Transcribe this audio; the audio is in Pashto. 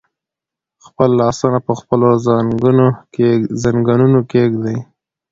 خپل لاسونه په خپلو زنګونونو کېږدئ.